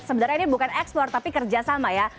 sebenarnya ini bukan ekspor tapi kerjasama ya